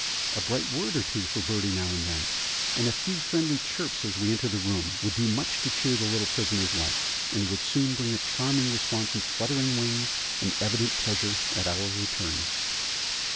A bright word or two for birdie now and then, and a few friendly chirps as we enter the room, would do much to cheer the little prisoner's life, and would soon bring a charming response in fluttering wings and evident pleasure at our return.